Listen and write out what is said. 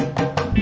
oh gak ada